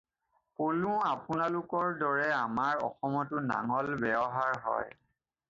কলোঁ আপোনালোকৰ দৰে আমাৰ অসমতো নঙলাৰ ব্যবহাৰ হয়।